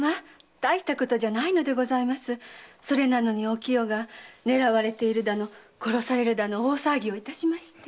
大したことじゃありませんそれなのにお清が狙われているだの殺されるだの大騒ぎを致しまして。